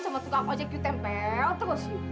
sama tukang ojek ibu tempel terus ibu